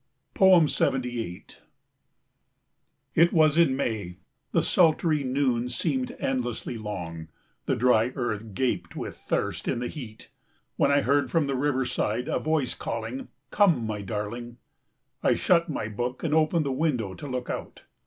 78 It was in May. The sultry noon seemed endlessly long. The dry earth gaped with thirst in the heat. When I heard from the riverside a voice calling, "Come, my darling!" I shut my book and opened the window to look out.